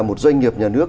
một doanh nghiệp nhà nước